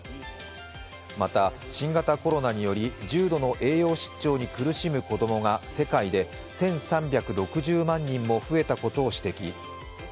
また、新型コロナにより重度の栄養失調に苦しむ子供が世界で１３６０万人も増えたことを指摘。